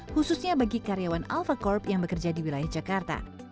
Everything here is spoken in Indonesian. khususnya bagi karyawan alfa corp yang bekerja di wilayah jakarta